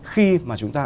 khi mà chúng ta